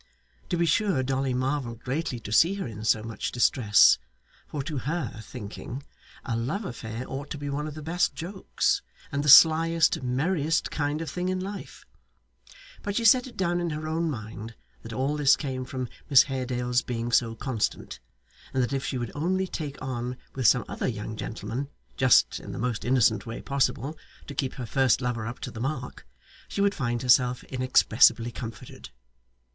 To be sure Dolly marvelled greatly to see her in so much distress, for to her thinking a love affair ought to be one of the best jokes, and the slyest, merriest kind of thing in life. But she set it down in her own mind that all this came from Miss Haredale's being so constant, and that if she would only take on with some other young gentleman just in the most innocent way possible, to keep her first lover up to the mark she would find herself inexpressibly comforted.